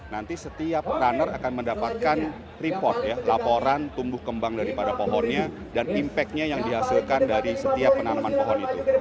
nanti setiap runner akan mendapatkan report ya laporan tumbuh kembang daripada pohonnya dan impact nya yang dihasilkan dari setiap penanaman pohon itu